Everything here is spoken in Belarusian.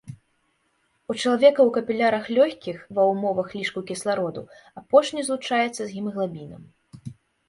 У чалавека ў капілярах лёгкіх ва ўмовах лішку кіслароду апошні злучаецца з гемаглабінам.